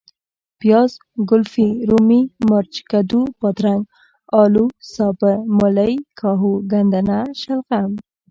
پیاز ،ګلفي ،رومي ،مرچ ،کدو ،بادرنګ ،الو ،سابه ،ملۍ ،کاهو ،ګندنه ،شلغم